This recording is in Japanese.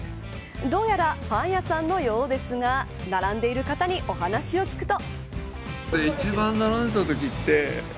どうやらパン屋さんのようですが並んでいる方にお話を聞くと。